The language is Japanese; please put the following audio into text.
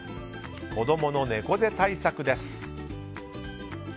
子供の猫背対策です。